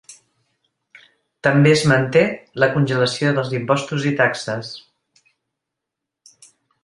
També es manté la congelació dels impostos i taxes.